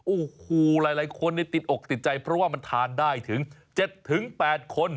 โอ้โหหลายคนติดอกติดใจเพราะว่ามันทานได้ถึง๗๘คน